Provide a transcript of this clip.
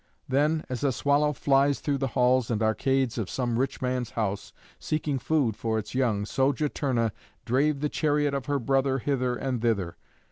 Then as a swallow flies through the halls and arcades of some rich man's house, seeking food for its young, so Juturna drave the chariot of her brother hither and thither.